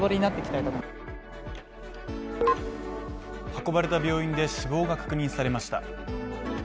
運ばれた病院で死亡が確認されました。